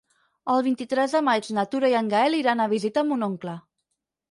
El vint-i-tres de maig na Tura i en Gaël iran a visitar mon oncle.